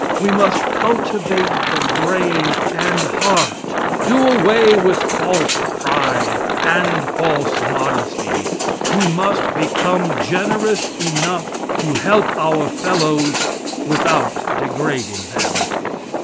We must cultivate the brain and heart do away with false pride and false modesty. We must become generous enough to help our fellows without degrading them.